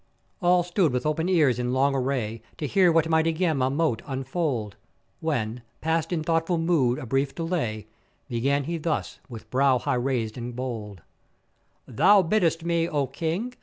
All stood with open ears in long array to hear what mighty Gama mote unfold; when, past in thoughtful mood a brief delay, began he thus with brow high raised and bold: "Thou biddest me, O King!